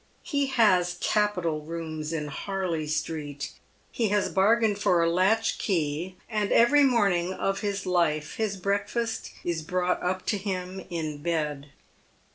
He has capital rooms in Harley street. He has bargained for a latch key, and every morning of his life his break fast is brought up to him in bed.